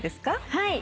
はい。